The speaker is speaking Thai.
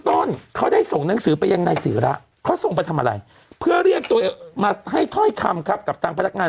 ไปได้สิราเขาส่งไปทำอะไรเพื่อเรียกตัวไม่ให้ทรอยคำครับกับตังค์พนักงาน